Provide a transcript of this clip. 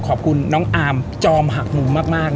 ขอบคุณน้องอาร์มจอมหักมุมมาก